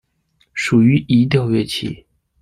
属于移调乐器。